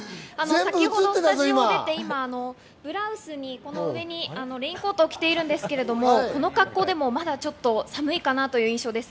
先ほどスタジオを出て今、ブラウスの上にレインコートを着ているんですけど、この格好でもまだ寒いかなという印象です。